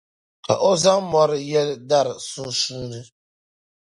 Ka o zaŋ mɔri nyɛli dari sunsuuni.